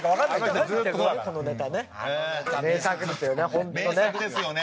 本当ね。